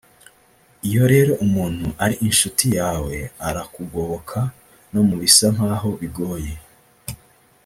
Iyo rero umuntu ari inshuti yawe arakugoboka no mu bisa nk’aho bigoye